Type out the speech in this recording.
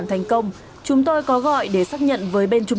bên chị cứ gọi lại để báo thông tin cho em